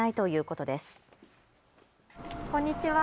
こんにちは。